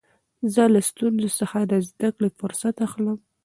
زه له ستونزو څخه د زدکړي فرصت اخلم.